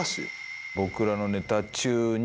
僕らのネタ中に。